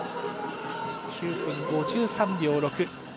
９分５３秒６。